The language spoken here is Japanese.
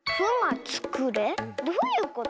どういうこと？